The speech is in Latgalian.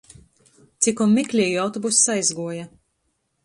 Cikom meklieju, autobuss aizguoja.